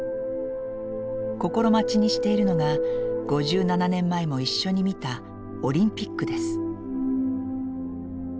心待ちにしているのが５７年前も一緒に見たオリンピックです。